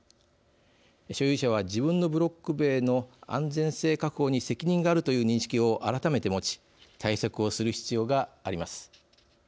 所有者は自分のブロック塀の安全性確保に責任があるという認識を改めて持ち対策をする必要があります。